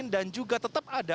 dan juga tetap ada